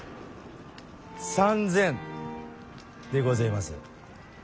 ３，０００でごぜます。